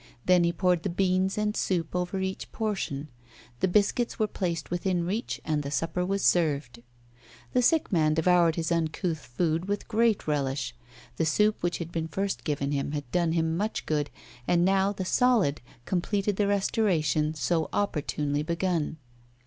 Then he poured the beans and soup over each portion. The biscuits were placed within reach, and the supper was served. The sick man devoured his uncouth food with great relish. The soup which had been first given him had done him much good, and now the "solid" completed the restoration so opportunely begun.